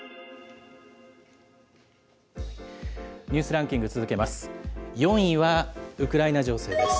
ニュースランキング、続けます。